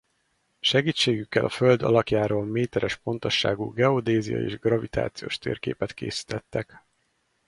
Segítségükkel a Föld alakjáról méteres pontosságú geodéziai és gravitációs térképet készítettek.